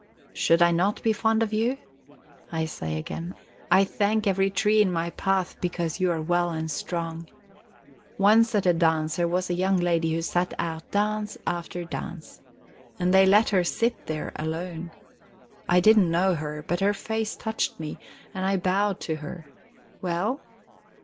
"Should I not be fond of you?" I say again. "I thank every tree in my path because you are well and strong. Once at a dance there was a young lady who sat out dance after dance, and they let her sit there alone. I didn't know her, but her face touched me, and I bowed to her. Well?